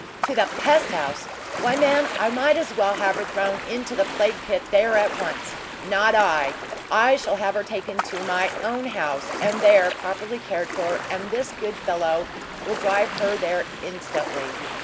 "To the pest house! Why man, I might as well have her thrown into the plague pit there, at once! Not I! I shall have her taken to my own house, and there properly cared for, and this good fellow will drive her there instantly."